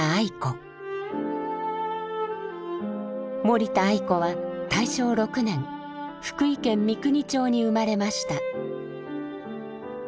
森田愛子は大正６年福井県三国町に生まれました。